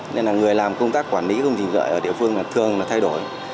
nên là người làm công tác quản lý công trình lợi ở địa phương thường thay đổi